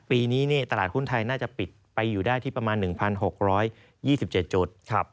ปีนี้ตลาดหุ้นไทยน่าจะปิดไปอยู่ได้ที่ประมาณ๑๖๒๗จุด